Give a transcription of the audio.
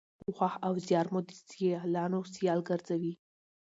کوښښ او زیار مو د سیالانو سیال ګرځوي.